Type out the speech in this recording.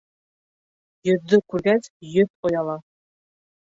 Йөҙҙө күргәс йөҙ ояла.